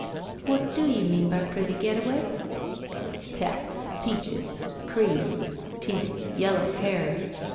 "What do you mean by pretty. Getaway?" "Pep. Peaches. Cream. Teeth. Yellow hair.